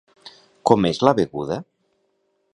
Com és la beguda?